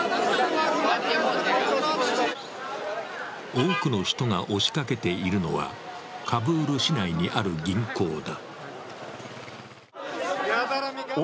多くの人が押しかけているのは、カブール市内にある銀行だ。